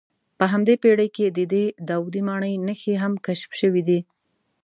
په همدې پېړۍ کې د دې داودي ماڼۍ نښې هم کشف شوې دي.